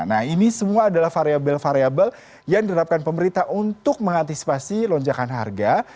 nah ini semua adalah variable variabel yang diterapkan pemerintah untuk mengantisipasi lonjakan harga